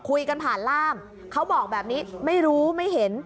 คุยกันผ่านล่ามเขาบอกแบบนี้ไม่รู้ไม่เห็น